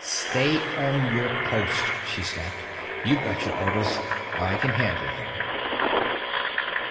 "Stay on your post!" she snapped. "You've got your orders. I can handle him."